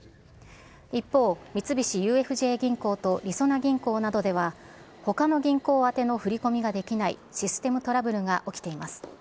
一方、三菱ＵＦＪ銀行とりそな銀行などでは、ほかの銀行宛ての振り込みができないシステムトラブルが起きています。